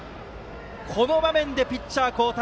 この場面でピッチャー交代。